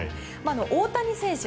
大谷選手